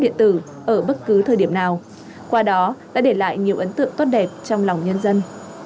điện tử ở bất cứ thời điểm nào qua đó đã để lại nhiều ấn tượng tốt đẹp trong lòng nhân dân